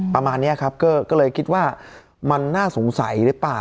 ประมาณนี้ครับก็เลยคิดว่ามันน่าสงสัยหรือเปล่า